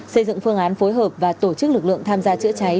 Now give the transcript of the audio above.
xây dựng phương án phối hợp và tổ chức lực lượng tham gia chữa cháy